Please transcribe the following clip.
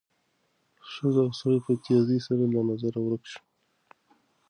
ښځه او سړی په تېزۍ سره له نظره ورک شول.